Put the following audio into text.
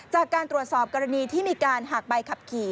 จากการตรวจสอบกรณีที่มีการหักใบขับขี่